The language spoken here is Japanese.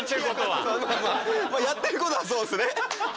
やってることはそうですね。